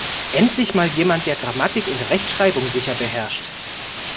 Endlich mal jemand, der Grammatik und Rechtschreibung sicher beherrscht!